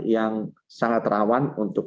yang sangat rawan untuk